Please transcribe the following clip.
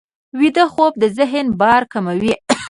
ویده خوب د ذهن بار کموي